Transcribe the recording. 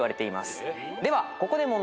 ではここで問題です。